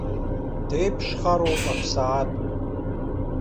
Деиԥшхароуп аԥсаатә.